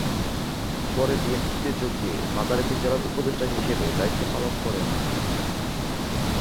পরে বিএনপিতে যোগ দিয়ে মাদারীপুর জেলার উপদেষ্টা হিসেবে দায়িত্ব পালক করেন।